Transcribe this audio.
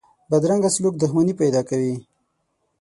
بدرنګه سلوک دښمني پیدا کوي